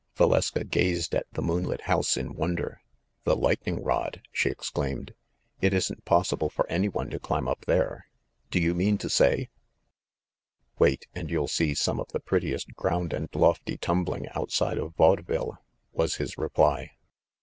Valeska gazed at the moonlit house in wonder. "The lightning rod !" she exclaimed. "It isn't possible for any one to climb up there ! Do you mean to say ‚ÄĒ " "Wait, and you'll see some of the prettiest ground and lofty tumbling outside of vaudeville," was his reply.